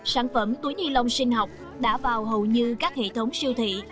sản phẩm túi ni lông sinh học đã vào hầu như các hệ thống siêu thị